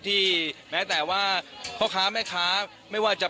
ก็ชุมนุมผู้ชมนุมกลับหนูก็กลับ